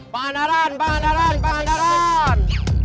pandaran pandaran pandaran